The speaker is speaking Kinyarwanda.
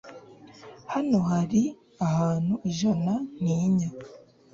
Hano hari ahantu ijana ntinya